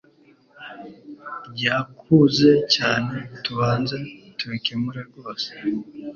byakuze cyane tubanze tubikemure rwose